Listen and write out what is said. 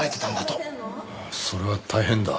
それは大変だ。